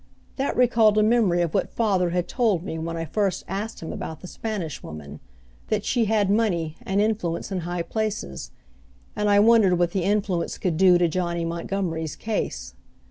That recalled a memory of what father had told me when I first asked him about the Spanish Woman that she had money, and influence in high places and I wondered what that influence could do to Johnny Montgomery's case.